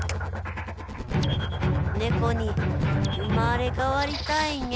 ネコに生まれかわりたいニャ。